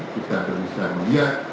kita bisa melihat